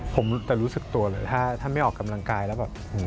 ผมจะรู้สึกตัวเลยถ้าไม่ออกกำลังกายแล้วแบบ